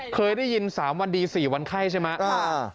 เคยได้ยิน๓วันดี๔วันไข้ใช่ไหม